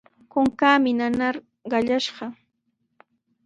Kunkaami nanayta qallashqa.